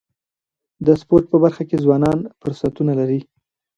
د سپورټ په برخه کي ځوانان فرصتونه لري.